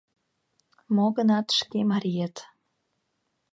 Мо-гынат шке мариет.